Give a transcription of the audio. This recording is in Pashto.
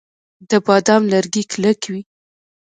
د بادام لرګي کلک وي.